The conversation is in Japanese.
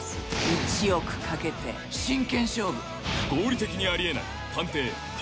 １億かけて真剣勝負！